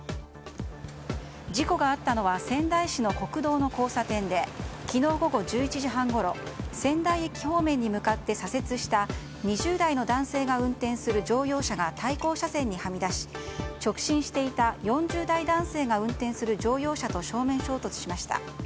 事故があったのは仙台市の国道の交差点で昨日午後１１時半ごろ仙台駅方面に向かって左折した２０代の男性が運転する乗用車が対向車線にはみ出し直進していた４０代男性が運転する乗用車と正面衝突しました。